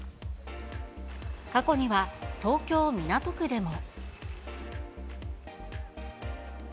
過去には、東京・港区でも。